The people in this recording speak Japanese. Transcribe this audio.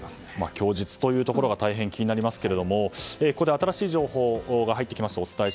供述がたいへん気になりますがここで新しい情報が入ってきました。